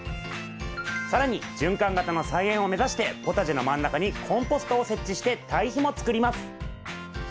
更に循環型の菜園を目指してポタジェの真ん中にコンポストを設置して堆肥も作ります。